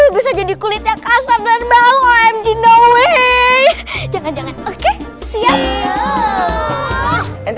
bisa jadi kulitnya kasar dan bau omg no way jangan jangan oke siap